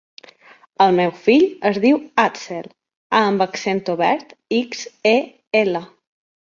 El meu fill es diu Àxel: a amb accent obert, ics, e, ela.